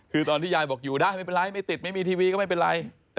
คือตอนที่ยายบอกอยู่ได้ไม่เป็นไรไม่ติดไม่มีทีวีก็ไม่เป็นไร